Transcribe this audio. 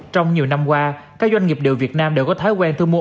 trong nhiều năm qua các doanh nghiệp điều việt nam đều có thói quen thu mua